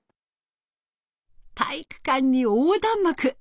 体育館に横断幕。